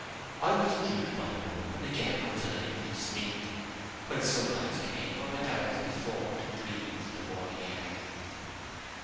I withdrew to my room; and again I was unable to sleep. When sunrise came, I went out, as before, to breathe the morning air.